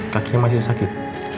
kakinya masih sakit